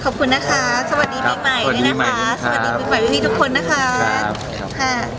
ขอบคุณนะครับสวัสดีปีใหม่นะครับสวัสดีปีใหม่ให้ทุกคนนะครับ